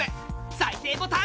再生ボタン。